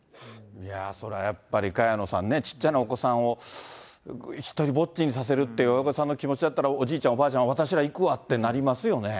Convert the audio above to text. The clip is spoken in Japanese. いや、そりゃやっぱり萱野さんね、ちっちゃなお子さんを独りぼっちにさせるって、親御さんの気持ちだったら、おじいちゃん、おばあちゃん、私ら行くわってなりますよね。